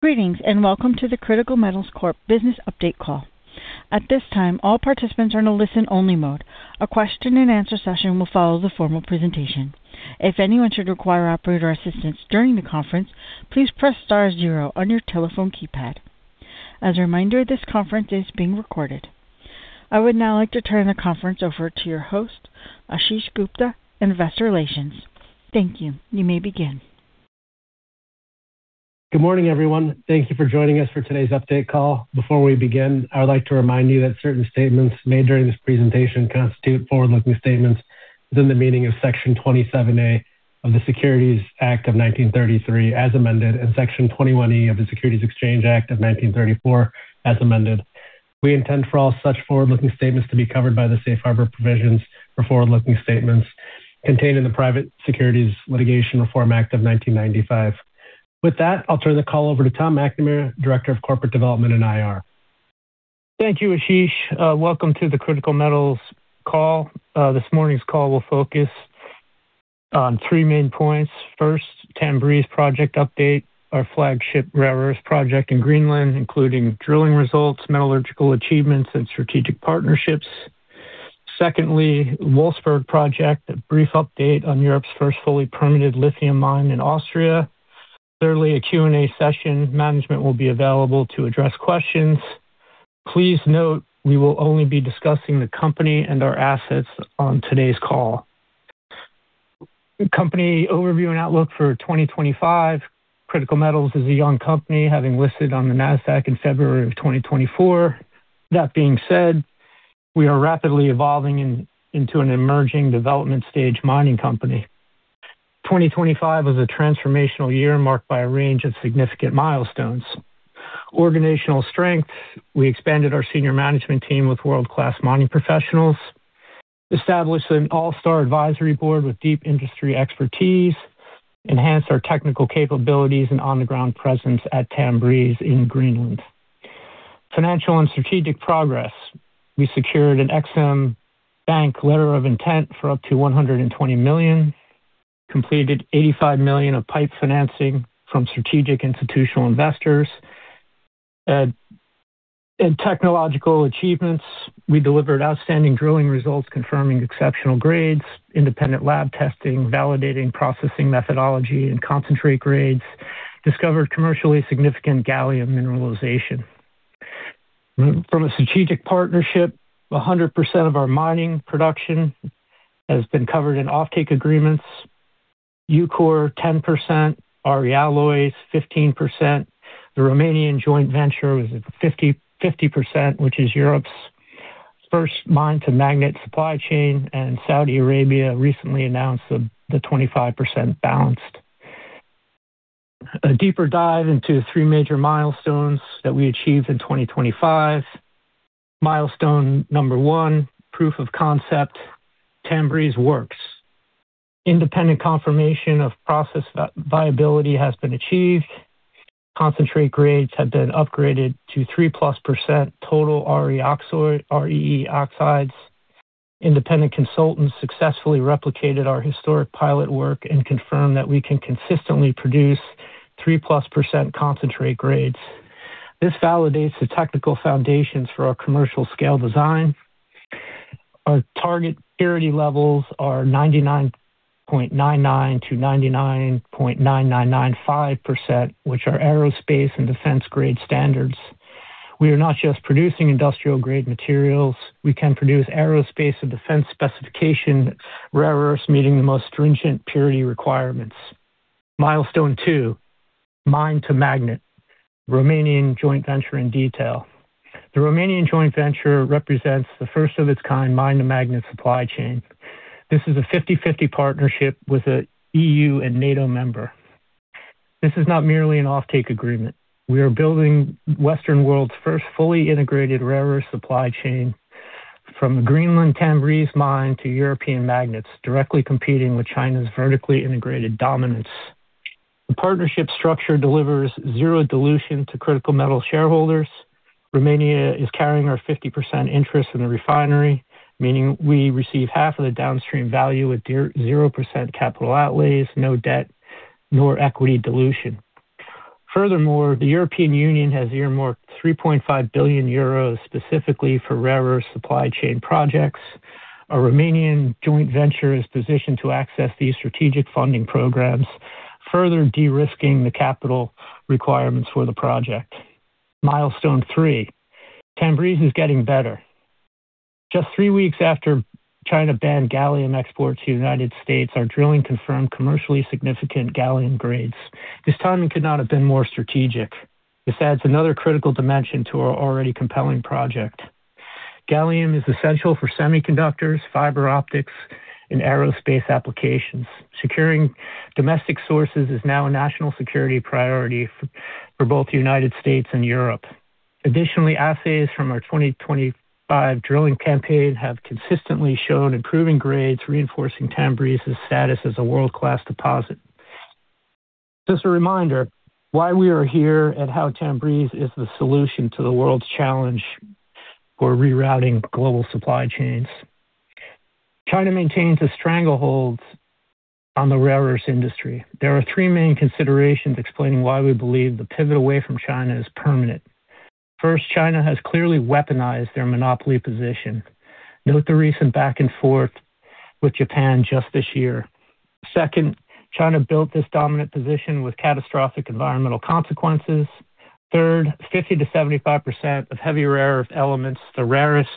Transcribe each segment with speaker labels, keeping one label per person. Speaker 1: Greetings and welcome to the Critical Metals Corp business update call. At this time, all participants are in a listen-only mode. A question-and-answer session will follow the formal presentation. If anyone should require operator assistance during the conference, please press star zero on your telephone keypad. As a reminder, this conference is being recorded. I would now like to turn the conference over to your host, Ashish Gupta, and investor relations. Thank you. You may begin.
Speaker 2: Good morning, everyone. Thank you for joining us for today's update call. Before we begin, I would like to remind you that certain statements made during this presentation constitute forward-looking statements within the meaning of Section 27A of the Securities Act of 1933, as amended, and Section 21E of the Securities Exchange Act of 1934, as amended. We intend for all such forward-looking statements to be covered by the Safe Harbor provisions for forward-looking statements contained in the Private Securities Litigation Reform Act of 1995. With that, I'll turn the call over to Tom McNamara, Director of Corporate Development and IR.
Speaker 3: Thank you, Ashish. Welcome to the Critical Metals call. This morning's call will focus on three main points. First, Tanbreez project update, our flagship rare earth project in Greenland, including drilling results, metallurgical achievements, and strategic partnerships. Secondly, Wolfsberg project, a brief update on Europe's first fully permitted lithium mine in Austria. Thirdly, a Q&A session. Management will be available to address questions. Please note we will only be discussing the company and our assets on today's call. Company overview and outlook for 2025. Critical Metals is a young company, having listed on the NASDAQ in February of 2024. That being said, we are rapidly evolving into an emerging development-stage mining company. 2025 was a transformational year marked by a range of significant milestones. Organizational strength, we expanded our senior management team with world-class mining professionals, established an all-star advisory board with deep industry expertise, enhanced our technical capabilities, and on-the-ground presence at Tanbreez in Greenland. Financial and strategic progress, we secured an EXIM Bank letter of intent for up to $120 million, completed $85 million of PIPE financing from strategic institutional investors. Technological achievements, we delivered outstanding drilling results confirming exceptional grades, independent lab testing, validating processing methodology, and concentrate grades, discovered commercially significant gallium mineralization. From a strategic partnership, 100% of our mining production has been covered in offtake agreements. Eucor, 10%, Realloys, 15%. The Romanian joint venture was 50%, which is Europe's first mine-to-magnet supply chain, and Saudi Arabia recently announced the 25% balanced. A deeper dive into three major milestones that we achieved in 2025. Milestone number one, proof of concept, Tanbreez works. Independent confirmation of process viability has been achieved. Concentrate grades have been upgraded to 3+% total REE oxides. Independent consultants successfully replicated our historic pilot work and confirmed that we can consistently produce 3+% concentrate grades. This validates the technical foundations for our commercial scale design. Our target purity levels are 99.99%-99.9995%, which are aerospace and defense-grade standards. We are not just producing industrial-grade materials. We can produce aerospace and defense specification rare earths meeting the most stringent purity requirements. Milestone two, mine-to-magnet, Romanian joint venture in detail. The Romanian joint venture represents the first of its kind mine-to-magnet supply chain. This is a 50/50 partnership with an EU and NATO member. This is not merely an offtake agreement. We are building Western world's first fully integrated rare earth supply chain from the Greenland Tanbreez mine to European magnets, directly competing with China's vertically integrated dominance. The partnership structure delivers zero dilution to Critical Metals shareholders. Romania is carrying our 50% interest in the refinery, meaning we receive half of the downstream value with 0% capital outlays, no debt, nor equity dilution. Furthermore, the European Union has earmarked 3.5 billion euros specifically for rare earth supply chain projects. A Romanian joint venture is positioned to access these strategic funding programs, further de-risking the capital requirements for the project. Milestone three, Tanbreez is getting better. Just three weeks after China banned gallium exports to the United States, our drilling confirmed commercially significant gallium grades. This timing could not have been more strategic. This adds another critical dimension to our already compelling project. Gallium is essential for semiconductors, fiber optics, and aerospace applications. Securing domestic sources is now a national security priority for both the United States and Europe. Additionally, assays from our 2025 drilling campaign have consistently shown improving grades, reinforcing Tanbreez's status as a world-class deposit. Just a reminder why we are here and how Tanbreez is the solution to the world's challenge for rerouting global supply chains. China maintains a stranglehold on the rare earths industry. There are three main considerations explaining why we believe the pivot away from China is permanent. First, China has clearly weaponized their monopoly position. Note the recent back and forth with Japan just this year. Second, China built this dominant position with catastrophic environmental consequences. Third, 50%-75% of heavy rare earth elements, the rarest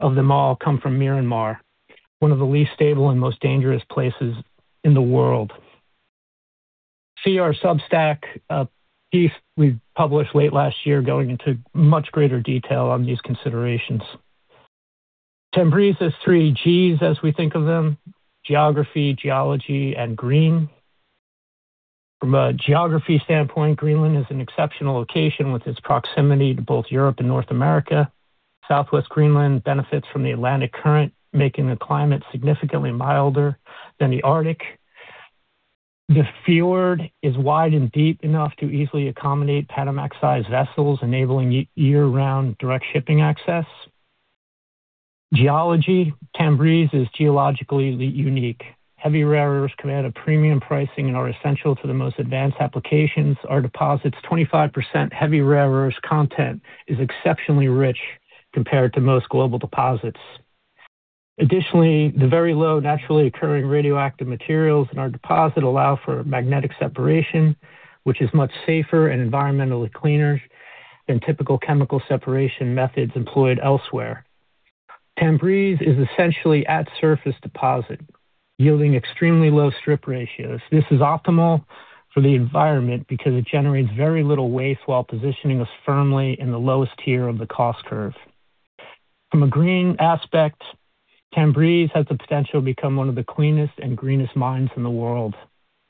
Speaker 3: of them all, come from Myanmar, one of the least stable and most dangerous places in the world. See our Substack piece we published late last year going into much greater detail on these considerations. Tanbreez has three Gs as we think of them: geography, geology, and green. From a geography standpoint, Greenland is an exceptional location with its proximity to both Europe and North America. Southwest Greenland benefits from the Atlantic current, making the climate significantly milder than the Arctic. The fjord is wide and deep enough to easily accommodate Panamax-sized vessels, enabling year-round direct shipping access. Geology. Tanbreez is geologically unique. Heavy rare earths command a premium pricing and are essential to the most advanced applications. Our deposit's 25% heavy rare earths content is exceptionally rich compared to most global deposits. Additionally, the very low naturally occurring radioactive materials in our deposit allow for magnetic separation, which is much safer and environmentally cleaner than typical chemical separation methods employed elsewhere. Tanbreez is essentially at-surface deposit, yielding extremely low strip ratios. This is optimal for the environment because it generates very little waste while positioning us firmly in the lowest tier of the cost curve. From a green aspect, Tanbreez has the potential to become one of the cleanest and greenest mines in the world.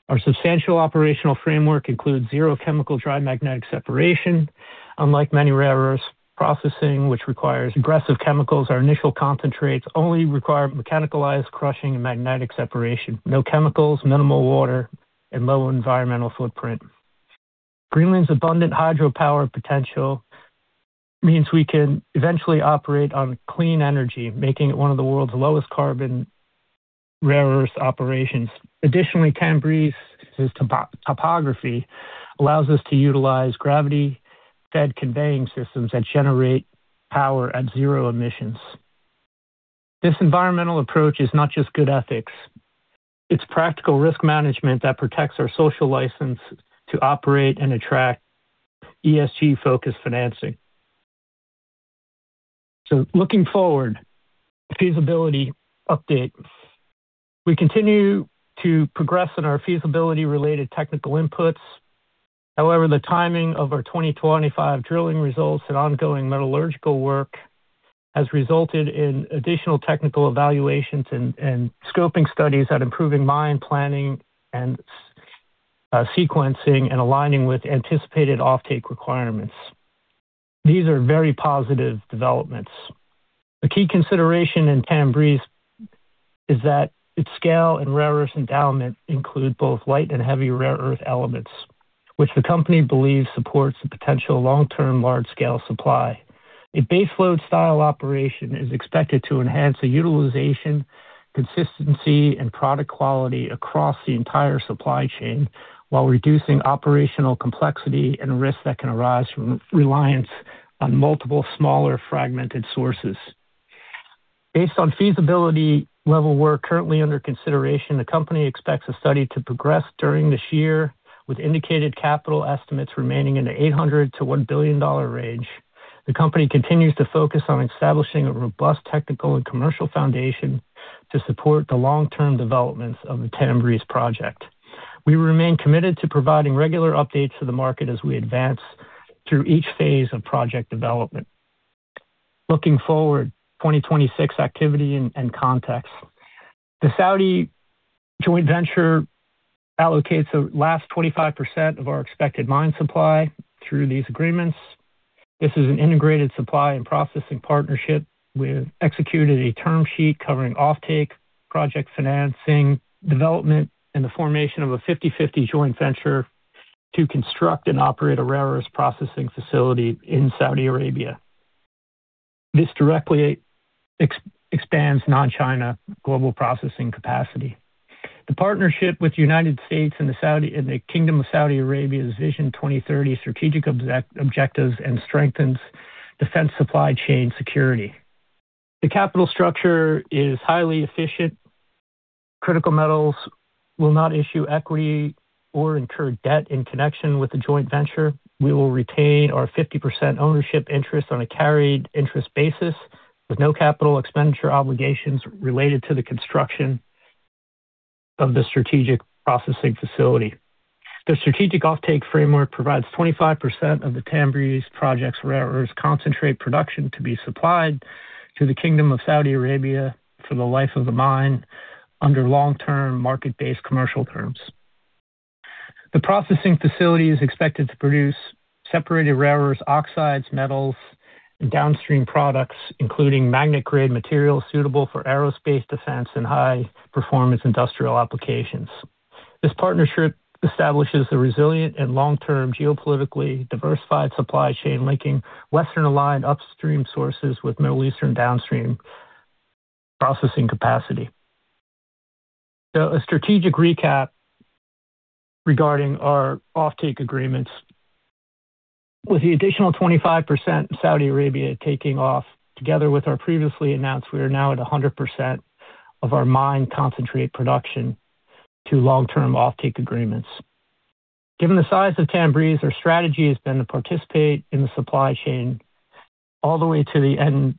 Speaker 3: Our substantial operational framework includes zero chemical dry magnetic separation. Unlike many rare earth processing, which requires aggressive chemicals, our initial concentrates only require mechanized crushing and magnetic separation. No chemicals, minimal water, and low environmental footprint. Greenland's abundant hydropower potential means we can eventually operate on clean energy, making it one of the world's lowest carbon rare earth operations. Additionally, Tanbreez's topography allows us to utilize gravity-fed conveying systems that generate power at zero emissions. This environmental approach is not just good ethics. It's practical risk management that protects our social license to operate and attract ESG-focused financing. So, looking forward, feasibility update. We continue to progress in our feasibility-related technical inputs. However, the timing of our 2025 drilling results and ongoing metallurgical work has resulted in additional technical evaluations and scoping studies that are improving mine planning and sequencing and aligning with anticipated offtake requirements. These are very positive developments. A key consideration in Tanbreez is that its scale and rare earth endowment include both light and heavy rare earth elements, which the company believes supports the potential long-term large-scale supply. A baseload-style operation is expected to enhance the utilization, consistency, and product quality across the entire supply chain while reducing operational complexity and risk that can arise from reliance on multiple smaller fragmented sources. Based on feasibility-level work currently under consideration, the company expects the study to progress during this year with indicated capital estimates remaining in the $800 million-$1 billion range. The company continues to focus on establishing a robust technical and commercial foundation to support the long-term developments of the Tanbreez project. We remain committed to providing regular updates to the market as we advance through each phase of project development. Looking forward, 2026 activity and context. The Saudi joint venture allocates the last 25% of our expected mine supply through these agreements. This is an integrated supply and processing partnership. We have executed a term sheet covering offtake, project financing, development, and the formation of a 50/50 joint venture to construct and operate a rare earth processing facility in Saudi Arabia. This directly expands non-China global processing capacity. The partnership with the United States and the Kingdom of Saudi Arabia's Vision 2030 strategic objectives strengthens defense supply chain security. The capital structure is highly efficient. Critical Metals will not issue equity or incur debt in connection with the joint venture. We will retain our 50% ownership interest on a carried interest basis with no capital expenditure obligations related to the construction of the strategic processing facility. The strategic offtake framework provides 25% of the Tanbreez project's rare earth concentrate production to be supplied to the Kingdom of Saudi Arabia for the life of the mine under long-term market-based commercial terms. The processing facility is expected to produce separated rare earth oxides, metals, and downstream products, including magnet-grade materials suitable for aerospace defense and high-performance industrial applications. This partnership establishes a resilient and long-term geopolitically diversified supply chain linking western-aligned upstream sources with Middle Eastern downstream processing capacity. A strategic recap regarding our offtake agreements with the additional 25% Saudi Arabia taking off. Together with our previously announced, we are now at 100% of our mine concentrate production to long-term offtake agreements. Given the size of Tanbreez, our strategy has been to participate in the supply chain all the way to the end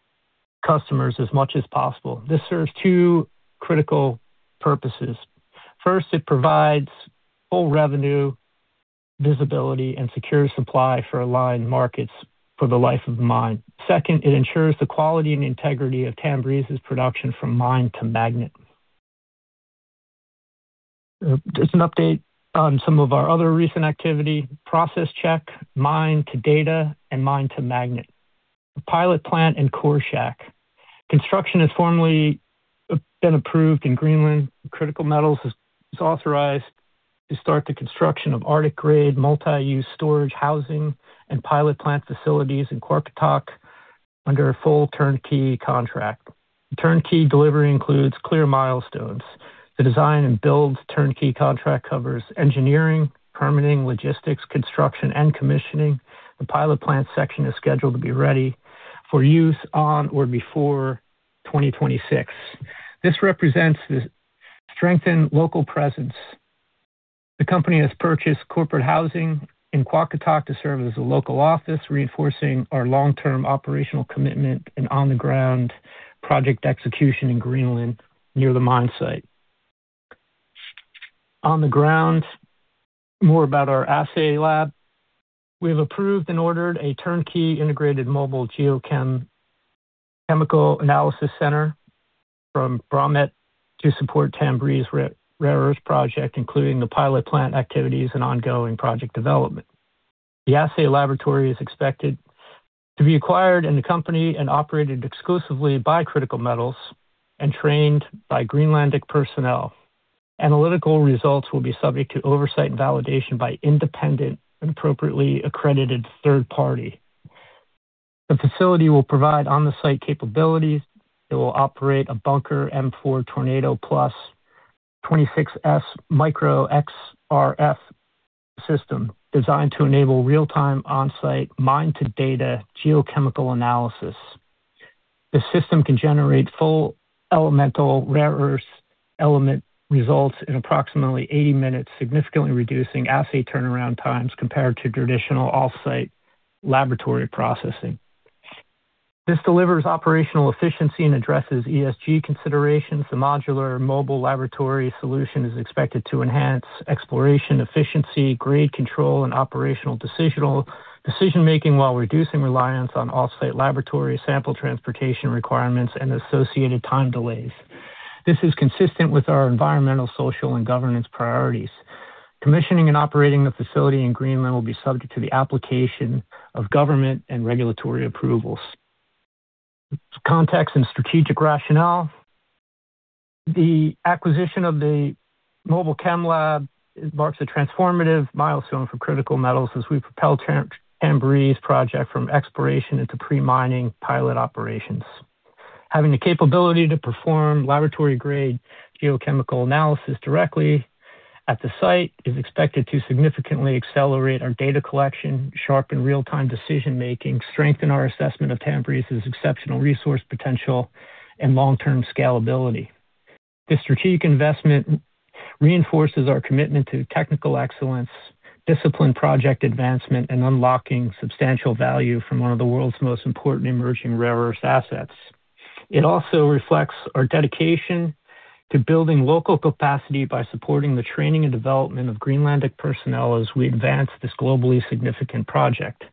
Speaker 3: customers as much as possible. This serves two critical purposes. First, it provides full revenue, visibility, and secure supply for aligned markets for the life of the mine. Second, it ensures the quality and integrity of Tanbreez's production from mine to magnet. Just an update on some of our other recent activity: process check, mine to data, and mine to magnet. Pilot plant in Qaqortoq. Construction has formally been approved in Greenland. Critical Metals is authorized to start the construction of Arctic-grade multi-use storage housing and pilot plant facilities in Qaqortoq under a full turnkey contract. Turnkey delivery includes clear milestones. The design and build turnkey contract covers engineering, permitting, logistics, construction, and commissioning. The pilot plant section is scheduled to be ready for use on or before 2026. This represents the strengthened local presence. The company has purchased corporate housing in Qaqortoq to serve as a local office, reinforcing our long-term operational commitment and on-the-ground project execution in Greenland near the mine site. On the ground, more about our assay lab. We have approved and ordered a turnkey integrated mobile geochemical analysis center from Promet to support Tanbreez's rare earth project, including the pilot plant activities and ongoing project development. The assay laboratory is expected to be acquired, owned, and operated exclusively by Critical Metals and trained by Greenlandic personnel. Analytical results will be subject to oversight and validation by independent and appropriately accredited third party. The facility will provide on-site capabilities. It will operate a Bruker M4 Tornado Plus 26S micro XRF system designed to enable real-time on-site mine-to-data geochemical analysis. The system can generate full elemental rare earth element results in approximately 80 minutes, significantly reducing assay turnaround times compared to traditional off-site laboratory processing. This delivers operational efficiency and addresses ESG considerations. The modular mobile laboratory solution is expected to enhance exploration efficiency, grade control, and operational decision-making while reducing reliance on off-site laboratory sample transportation requirements and associated time delays. This is consistent with our environmental, social, and governance priorities. Commissioning and operating the facility in Greenland will be subject to the application of government and regulatory approvals. Context and strategic rationale. The acquisition of the mobile chem lab marks a transformative milestone for Critical Metals as we propel Tanbreez project from exploration into pre-mining pilot operations. Having the capability to perform laboratory-grade geochemical analysis directly at the site is expected to significantly accelerate our data collection, sharpen real-time decision-making, strengthen our assessment of Tanbreez's exceptional resource potential, and long-term scalability. This strategic investment reinforces our commitment to technical excellence, discipline project advancement, and unlocking substantial value from one of the world's most important emerging rare earth assets. It also reflects our dedication to building local capacity by supporting the training and development of Greenlandic personnel as we advance this globally significant project.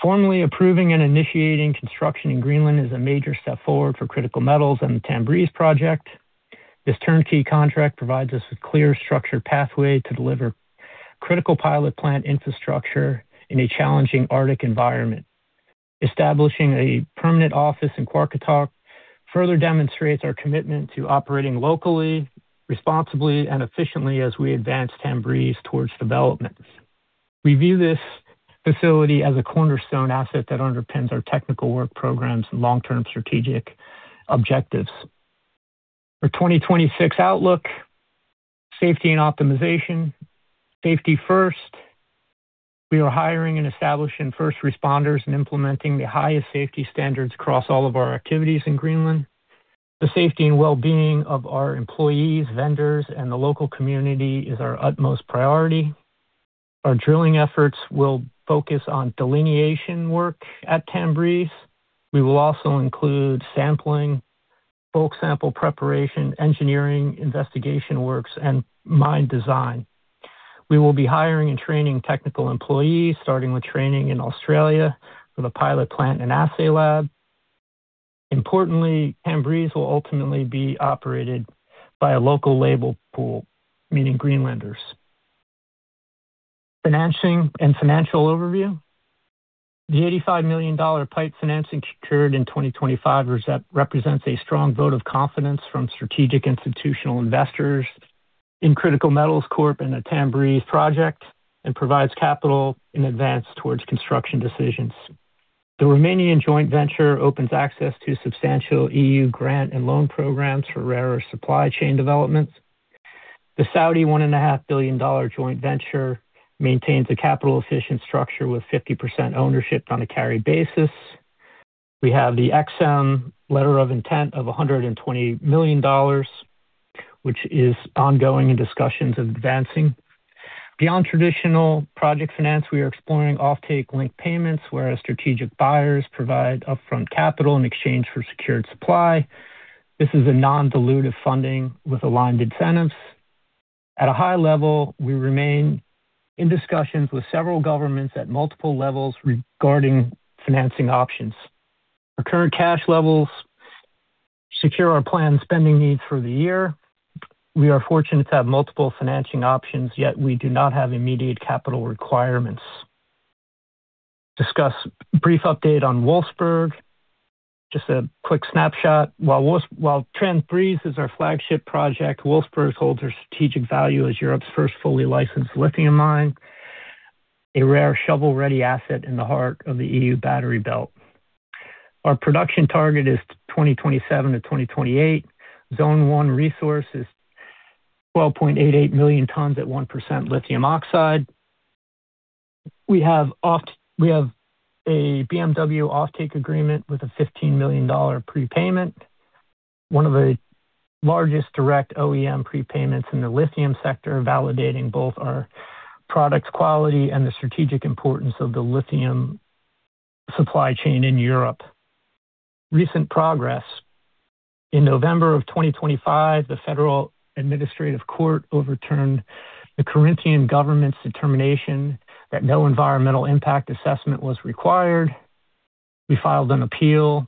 Speaker 3: Formally approving and initiating construction in Greenland is a major step forward for Critical Metals and the Tanbreez project. This turnkey contract provides us with a clear structured pathway to deliver critical pilot plant infrastructure in a challenging Arctic environment. Establishing a permanent office in Qaqortoq further demonstrates our commitment to operating locally, responsibly, and efficiently as we advance Tanbreez towards development. We view this facility as a cornerstone asset that underpins our technical work programs and long-term strategic objectives. Our 2026 outlook: safety and optimization, safety first. We are hiring and establishing first responders and implementing the highest safety standards across all of our activities in Greenland. The safety and well-being of our employees, vendors, and the local community is our utmost priority. Our drilling efforts will focus on delineation work at Tanbreez. We will also include sampling, bulk sample preparation, engineering investigation works, and mine design. We will be hiring and training technical employees, starting with training in Australia for the pilot plant and assay lab. Importantly, Tanbreez will ultimately be operated by a local labor pool, meaning Greenlanders. Financing and financial overview. The $85 million PIPE financing secured in 2025 represents a strong vote of confidence from strategic institutional investors in Critical Metals Corp. and the Tanbreez project and provides capital in advance towards construction decisions. The Romanian joint venture opens access to substantial EU grant and loan programs for rare earth supply chain developments. The Saudi $1.5 billion joint venture maintains a capital-efficient structure with 50% ownership on a carried basis. We have the EXIM letter of intent of $120 million, which is ongoing in discussions of advancing. Beyond traditional project finance, we are exploring offtake-linked payments, where strategic buyers provide upfront capital in exchange for secured supply. This is a non-dilutive funding with aligned incentives. At a high level, we remain in discussions with several governments at multiple levels regarding financing options. Our current cash levels secure our planned spending needs for the year. We are fortunate to have multiple financing options, yet we do not have immediate capital requirements. Discuss brief update on Wolfsberg. Just a quick snapshot. While Tanbreez is our flagship project, Wolfsberg holds our strategic value as Europe's first fully licensed lithium mine, a rare shovel-ready asset in the heart of the EU battery belt. Our production target is 2027 to 2028. Zone 1 resource is 12.88 million tons at 1% lithium oxide. We have a BMW offtake agreement with a $15 million prepayment, one of the largest direct OEM prepayments in the lithium sector, validating both our product's quality and the strategic importance of the lithium supply chain in Europe. Recent progress. In November of 2025, the Federal Administrative Court overturned the Carinthian government's determination that no environmental impact assessment was required. We filed an appeal to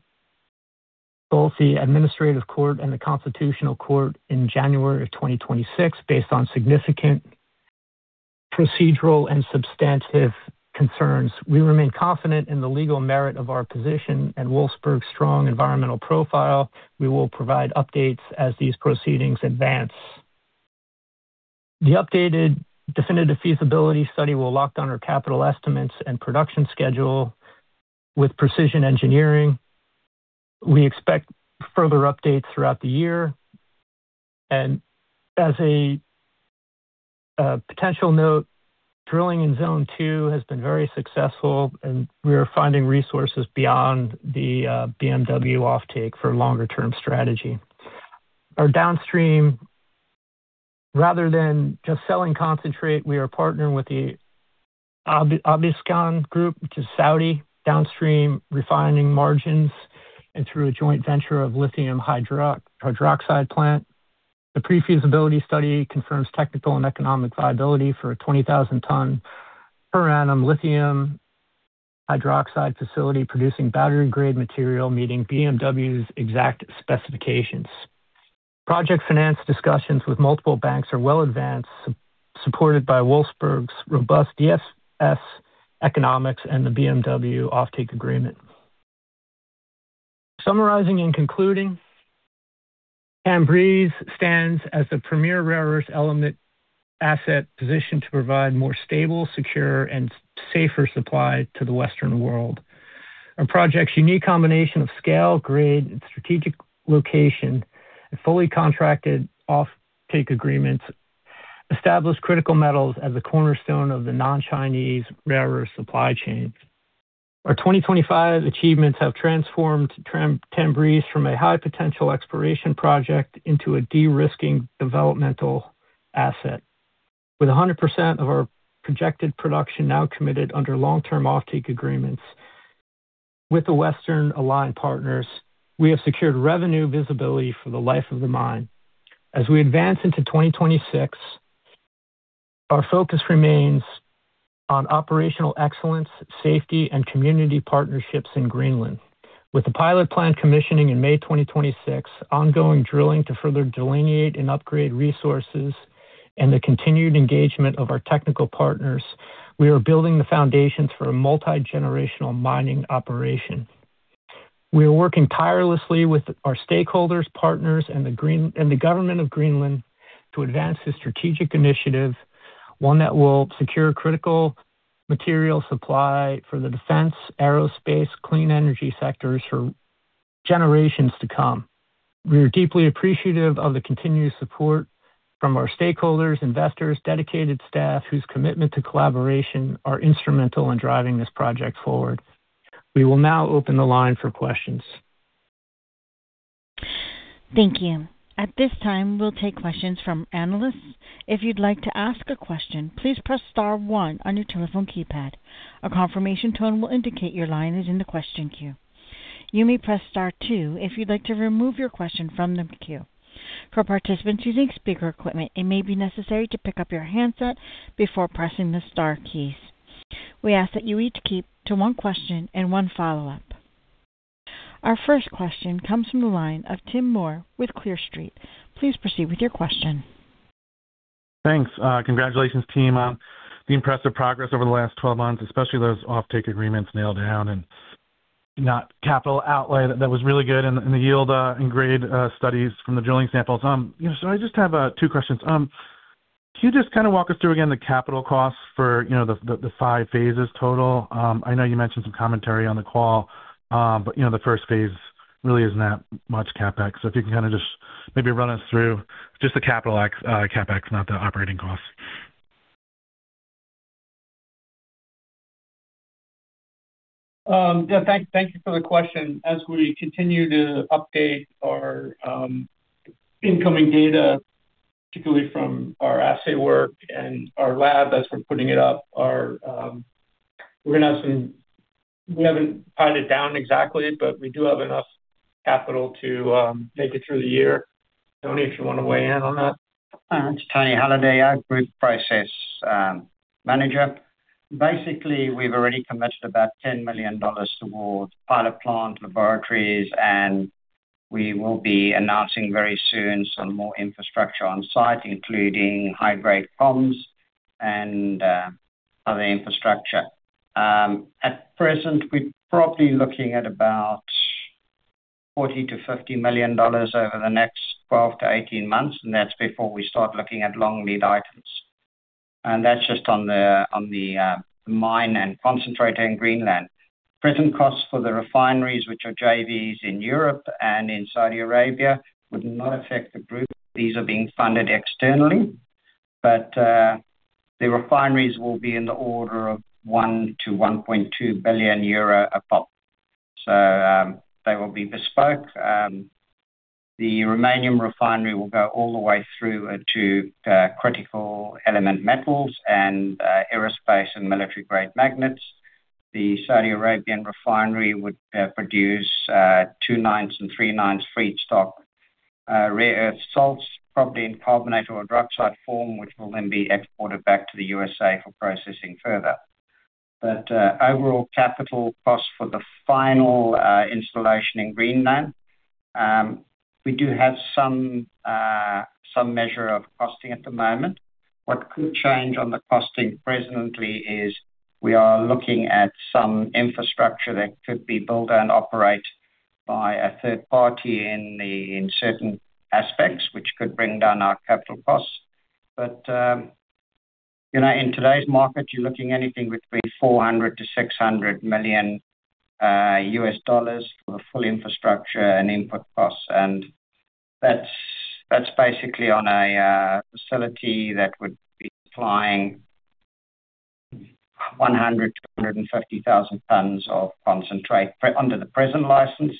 Speaker 3: both the Administrative Court and the Constitutional Court in January of 2026 based on significant procedural and substantive concerns. We remain confident in the legal merit of our position and Wolfsberg's strong environmental profile. We will provide updates as these proceedings advance. The updated definitive feasibility study will lock down our capital estimates and production schedule with precision engineering. We expect further updates throughout the year. As a potential note, drilling in Zone 2 has been very successful, and we are finding resources beyond the BMW offtake for longer-term strategy. Our downstream, rather than just selling concentrate, we are partnering with the Obeikan Group, which is Saudi, downstream refining margins and through a joint venture of lithium hydroxide plant. The pre-feasibility study confirms technical and economic viability for a 20,000-ton per annum lithium hydroxide facility producing battery-grade material meeting BMW's exact specifications. Project finance discussions with multiple banks are well advanced, supported by Wolfsberg's robust DFS economics and the BMW offtake agreement. Summarizing and concluding, Tanbreez stands as the premier rare earth element asset positioned to provide more stable, secure, and safer supply to the Western world. Our project's unique combination of scale, grade, and strategic location and fully contracted offtake agreements establish Critical Metals as the cornerstone of the non-Chinese rare earth supply chain. Our 2025 achievements have transformed Tanbreez from a high-potential exploration project into a de-risking developmental asset. With 100% of our projected production now committed under long-term offtake agreements with the Western-aligned partners, we have secured revenue visibility for the life of the mine. As we advance into 2026, our focus remains on operational excellence, safety, and community partnerships in Greenland. With the pilot plant commissioning in May 2026, ongoing drilling to further delineate and upgrade resources, and the continued engagement of our technical partners, we are building the foundations for a multi-generational mining operation. We are working tirelessly with our stakeholders, partners, and the government of Greenland to advance this strategic initiative, one that will secure critical material supply for the defense, aerospace, clean energy sectors for generations to come. We are deeply appreciative of the continued support from our stakeholders, investors, dedicated staff whose commitment to collaboration are instrumental in driving this project forward. We will now open the line for questions.
Speaker 1: Thank you. At this time, we'll take questions from analysts. If you'd like to ask a question, please press star one on your telephone keypad. A confirmation tone will indicate your line is in the question queue. You may press star two if you'd like to remove your question from the queue. For participants using speaker equipment, it may be necessary to pick up your handset before pressing the star keys. We ask that you each keep to one question and one follow-up. Our first question comes from the line of Tim Moore with Clear Street. Please proceed with your question. Thanks.
Speaker 4: Congratulations, team, on the impressive progress over the last 12 months, especially those offtake agreements nailed down and capital outlay that was really good in the yield and grade studies from the drilling samples. So I just have two questions. Can you just kind of walk us through again the capital costs for the five phases total? I know you mentioned some commentary on the call, but the first phase really isn't that much CapEx. So if you can kind of just maybe run us through just the CapEx, not the operating costs.
Speaker 3: Thank you for the question. As we continue to update our incoming data, particularly from our assay work and our lab as we're putting it up, we're going to have some. We haven't nailed it down exactly, but we do have enough capital to make it through the year. Tony, if you want to weigh in on that.
Speaker 5: It's Tony Halliday, Group Process Manager. Basically, we've already committed about $10 million towards pilot plant laboratories, and we will be announcing very soon some more infrastructure on site, including high-grade comms and other infrastructure. At present, we're probably looking at about $40 million-$50 million over the next 12 to 18 months, and that's before we start looking at long lead items, and that's just on the mine and concentrator in Greenland. Present costs for the refineries, which are JVs in Europe and in Saudi Arabia, would not affect the group. These are being funded externally, but the refineries will be in the order of 1-1.2 billion euro a pop, so they will be bespoke. The Romanian refinery will go all the way through to critical element metals and aerospace and military-grade magnets. The Saudi Arabian refinery would produce two nines and three nines for each stock, rare earth salts, probably in carbonate or hydroxide form, which will then be exported back to the USA for processing further. But overall capital costs for the final installation in Greenland, we do have some measure of costing at the moment. What could change on the costing presently is we are looking at some infrastructure that could be built and operated by a third party in certain aspects, which could bring down our capital costs. But in today's market, you're looking at anything between $400-$600 million US dollars for full infrastructure and input costs. And that's basically on a facility that would be supplying 100,000-150,000 tons of concentrate under the present license,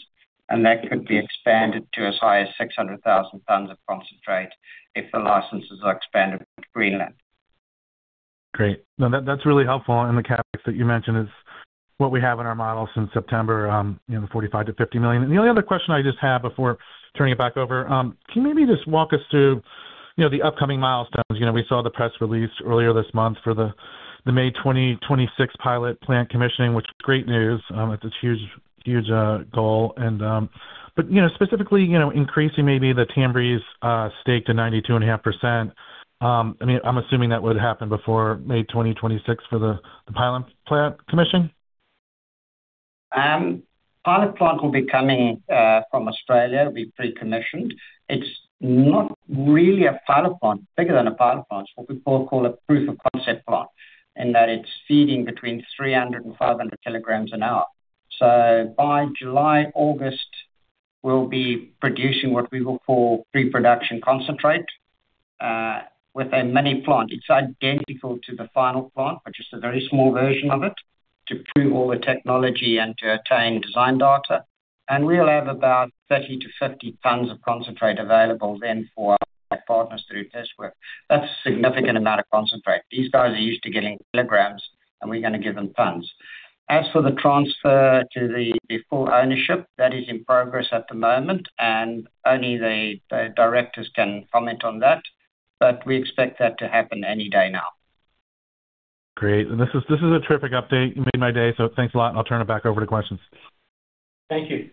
Speaker 5: and that could be expanded to as high as 600,000 tons of concentrate if the licenses are expanded with Greenland.
Speaker 4: Great. No, that's really helpful. And the CapEx that you mentioned is what we have in our model since September, the $45 million-$50 million. And the only other question I just have before turning it back over, can you maybe just walk us through the upcoming milestones? We saw the press release earlier this month for the May 2026 pilot plant commissioning, which is great news. That's a huge goal. But specifically, increasing maybe the Tanbreez stake to 92.5%. I mean, I'm assuming that would happen before May 2026 for the pilot plant commission?
Speaker 5: Pilot plant will be coming from Australia. It'll be pre-commissioned. It's not really a pilot plant. It's bigger than a pilot plant. It's what we call a proof of concept plant, in that it's feeding between 300 and 500 kilograms an hour. So by July, August, we'll be producing what we will call pre-production concentrate with a mini plant. It's identical to the final plant, but just a very small version of it to prove all the technology and to obtain design data. And we'll have about 30 to 50 tons of concentrate available then for our partners to do test work. That's a significant amount of concentrate. These guys are used to getting kilograms, and we're going to give them tons. As for the transfer to the full ownership, that is in progress at the moment, and only the directors can comment on that. But we expect that to happen any day now.
Speaker 4: Great. And this is a terrific update. You made my day. So thanks a lot, and I'll turn it back over to questions.
Speaker 3: Thank you.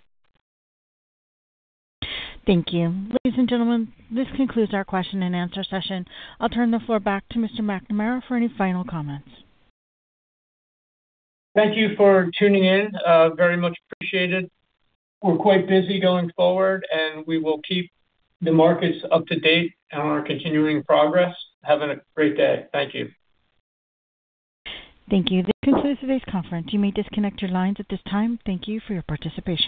Speaker 1: Thank you. Ladies and gentlemen, this concludes our question and answer session. I'll turn the floor back to Mr. McNamara for any final comments.
Speaker 3: Thank you for tuning in. Very much appreciated. We're quite busy going forward, and we will keep the markets up to date on our continuing progress. Have a great day. Thank you.
Speaker 1: Thank you. This concludes today's conference. You may disconnect your lines at this time. Thank you for your participation.